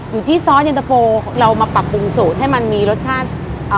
ซอสเย็นตะโฟเรามาปรับปรุงสูตรให้มันมีรสชาติอ่า